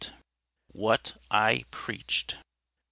WHAT I PREACHED.